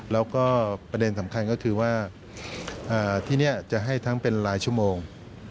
แล้วก็ประเด็นสำคัญก็คือว่าที่นี่จะให้ทั้งเป็นรายชั่วโมง